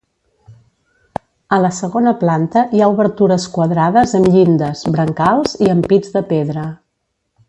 A la segona planta hi ha obertures quadrades amb llindes, brancals i ampits de pedra.